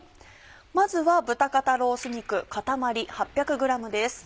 まずは豚肩ロース肉塊８００ｇです。